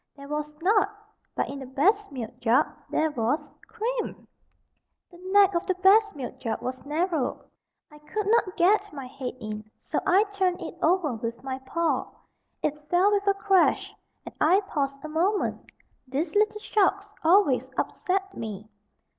There was not, but in the best milk jug there was CREAM! The neck of the best milk jug was narrow. I could not get my head in, so I turned it over with my paw. It fell with a crash, and I paused a moment these little shocks always upset me.